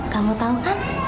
kamu tahu kan